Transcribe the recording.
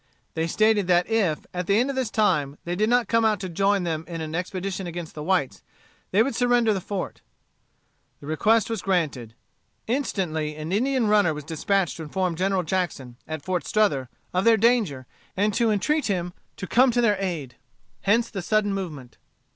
They stated that if, at the end of this time, they did not come out to join them in an expedition against the whites, they would surrender the fort. The request was granted. Instantly an Indian runner was dispatched to inform General Jackson, at Fort Strother, of their danger and to entreat him to come to their aid. Hence the sudden movement.